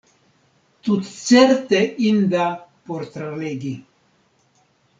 Tutcerte inda por tralegi.